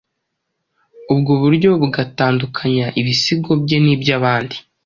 ubwo buryo bugatandukanya ibisigo bye n’iby’abandi.